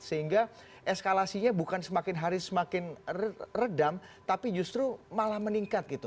sehingga eskalasinya bukan semakin hari semakin redam tapi justru malah meningkat gitu